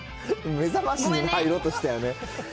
目覚ましに入ろうとしたよね。